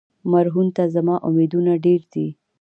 مرهون ته زما امیدونه ډېر دي.